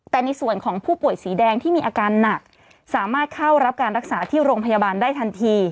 แต่ในส่วนของผู้ป่วยสีแดงที่มีอาการหนักสามารถเข้ารับการรักษาที่โรงพยาบาลได้ทันที